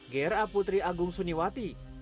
gra putri agung suniwati